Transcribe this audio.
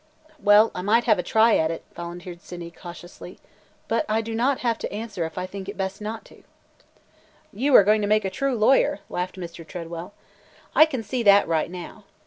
"Well, I might have a try at it," volunteered Sydney cautiously, "but I do not have to answer if I think best not to!" "You are going to make a true lawyer!" laughed Mr. Tredwell. "I can see that right now.